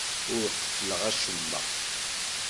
Ur qeffleɣ acemma.